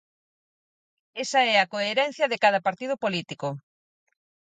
Esa é a coherencia de cada partido político.